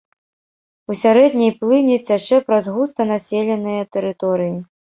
У сярэдняй плыні цячэ праз густа населеныя тэрыторыі.